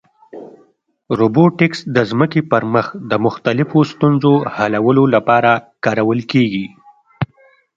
روبوټیکس د ځمکې پر مخ د مختلفو ستونزو حلولو لپاره کارول کېږي.